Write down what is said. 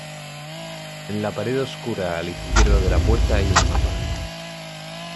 En la pared oscura a la izquierda de la puerta hay un mapa.